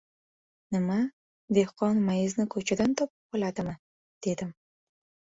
— Nima, dehqon mayizni ko‘chadan topib oladimi? — dedim.